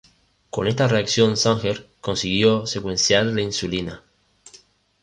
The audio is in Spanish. Con esta reacción Sanger consiguió secuenciar la insulina.